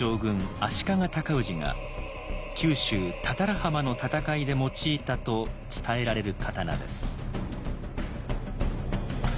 足利尊氏が九州多々良浜の戦いで用いたと伝えられる刀です。